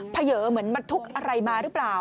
เยอเหมือนบรรทุกอะไรมาหรือเปล่า